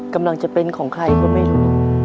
กำลังจะเป็นของใครก็ไม่รู้